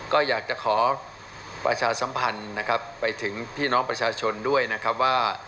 ก็อยากจะขอประชาสัมพันธ์นะครับไปถึงพี่น้องประชาชนด้วยนะครับว่า